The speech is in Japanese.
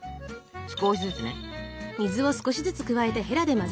少しずつね。